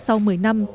sau mười năm